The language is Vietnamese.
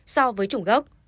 so với chủng gốc